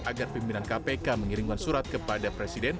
agar pimpinan kpk mengirimkan surat kepada presiden